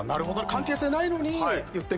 関係性ないのに言ってくれるぐらい。